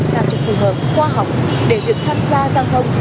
sang trực phù hợp khoa học để được tham gia giao thông